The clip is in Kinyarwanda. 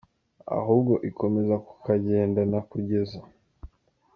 ahubwo ikomeza kukagendana kugeza.